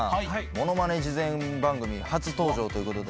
ものまね事前番組初登場ということで。